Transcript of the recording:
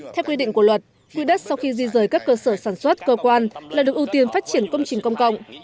theo quy định của luật quỹ đất sau khi di rời các cơ sở sản xuất cơ quan là được ưu tiên phát triển công trình công cộng